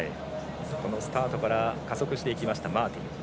スタートから加速していったマーティン。